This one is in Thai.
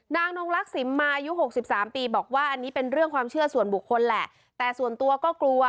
นางนงลักษิมมาอายุหกสิบสามปีบอกว่าอันนี้เป็นเรื่องความเชื่อส่วนบุคคลแหละแต่ส่วนตัวก็กลัว